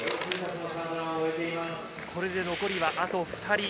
これで残りはあと２人。